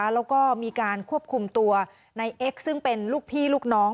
แล้วก็มีการควบคุมตัวในเอ็กซ์ซึ่งเป็นลูกพี่ลูกน้อง